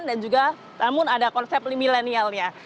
dan juga namun ada konsep milenialnya